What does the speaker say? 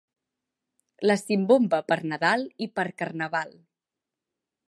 La simbomba, per Nadal i per Carnaval.